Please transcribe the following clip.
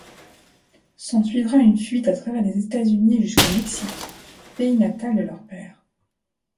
S'ensuivra une fuite à travers les États-Unis jusqu'au Mexique, pays natal de leur père.